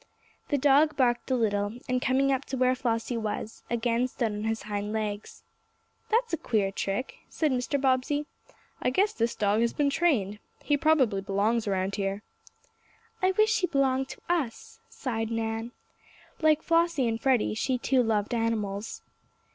The dog barked a little, and, coming up to where Flossie was, again stood on his hind legs. "That's a queer trick," said Mr. Bobbsey. "I guess this dog has been trained. He probably belongs around here." "I wish he belonged to us," sighed Nan. Like Flossie and Freddie she, too, loved animals.